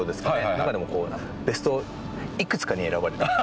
中でもベストいくつかに選ばれてる。